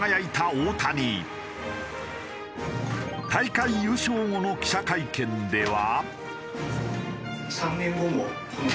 大会優勝後の記者会見では。